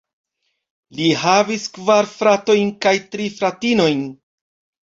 Li havis kvar fratojn kaj tri fratinojn.